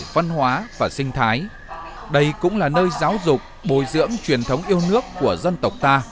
văn hóa và sinh thái đây cũng là nơi giáo dục bồi dưỡng truyền thống yêu nước của dân tộc ta